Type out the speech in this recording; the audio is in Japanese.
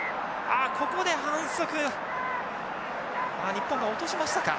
日本が落としましたか。